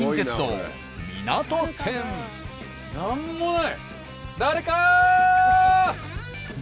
何もない。